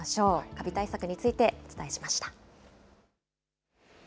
カビ対策についてお伝えしました。